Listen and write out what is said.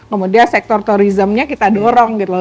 kemudian sektor turismnya kita dorong gitu